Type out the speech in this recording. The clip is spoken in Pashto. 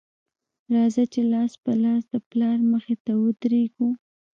راځه چې لاس په لاس دې د پلار مخې ته ودرېږو